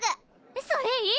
それいい！